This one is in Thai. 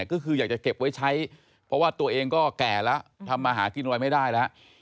ก็คืออยากจะเก็บไว้ใช้เพราะว่าตัวเองก็แก่แล้วทำมาหากินอะไรไม่ได้แล้ว